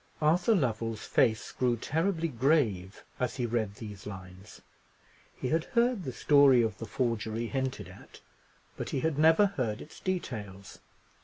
"_ Arthur Lovell's face grew terribly grave as he read these lines. He had heard the story of the forgery hinted at, but he had never heard its details.